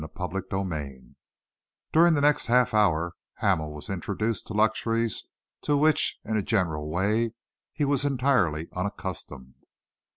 CHAPTER XIII During the next half hour, Hamel was introduced to luxuries to which, in a general way, he was entirely unaccustomed.